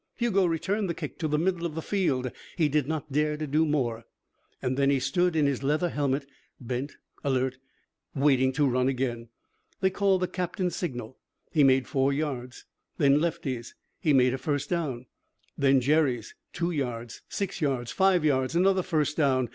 Hugo returned the kick to the middle of the field. He did not dare to do more. Then he stood in his leather helmet, bent, alert, waiting to run again. They called the captain's signal. He made four yards. Then Lefty's. He made a first down. Then Jerry's. Two yards. Six yards. Five yards. Another first down.